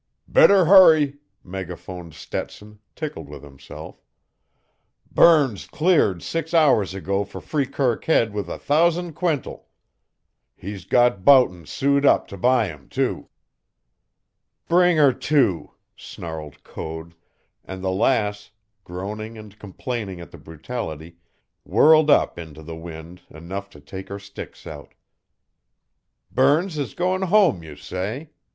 "Better hurry!" megaphoned Stetson, tickled with himself. "Burns cleared six hours ago for Freekirk Head with a thousand quintal. He's got Boughton sewed up to buy 'em, too." "Bring her to!" snarled Code, and the Lass, groaning and complaining at the brutality, whirled up into the wind enough to take her sticks out. "Burns's going home, you say?